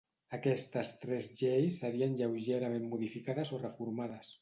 Aquestes tres lleis serien lleugerament modificades o reformades.